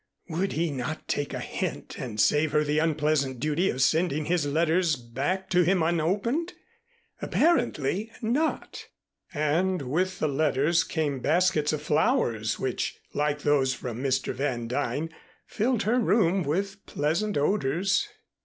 Would he not take a hint and save her the unpleasant duty of sending his letters back to him unopened? Apparently not! And with the letters came baskets of flowers which, like those from Mr. Van Duyn, filled her room with pleasant odors.